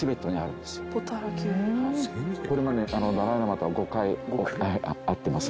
これまでダライ・ラマとは５回会ってます。